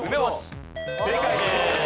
正解です。